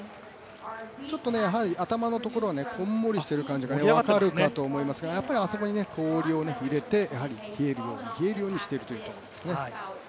ちょっと頭のところこんもりしている感じが分かるかと思いますがやっぱりあそこに氷を入れて冷えるように冷えるようにしているところですね。